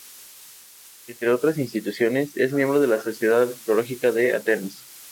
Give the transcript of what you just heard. Entre otras instituciones, es miembro de la Sociedad Arqueológica de Atenas.